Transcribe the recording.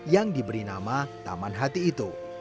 yang diberi nama taman hati itu